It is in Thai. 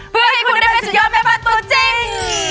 เพื่อให้คุณได้เป็นสุดยอดแม่บ้านตัวจริง